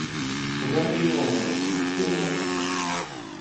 Teslam i yiwen n lḥess deffir-wen.